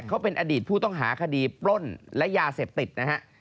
เขาเป็นอดีตผู้ต้องหาคดีปล้นและยาเสพติดนะฮะ